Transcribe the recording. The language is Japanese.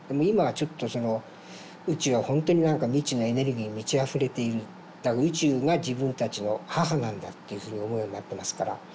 今はちょっと宇宙はほんとに何か未知のエネルギーに満ちあふれているだから宇宙が自分たちの母なんだというふうに思うようになってますから。